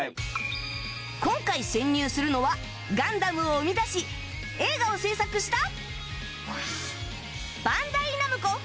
今回潜入するのは『ガンダム』を生み出し映画を制作した